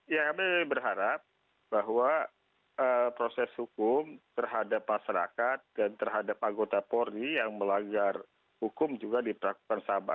ya kami berharap bahwa proses hukum terhadap masyarakat dan terhadap anggota polri yang melanggar hukum juga diperlakukan sama